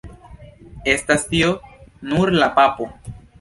Estas tio nur la papo!